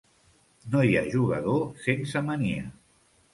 No hi ha jugador sense mania.